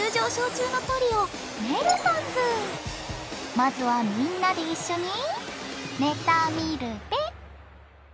まずはみんなで一緒にネタみるべ！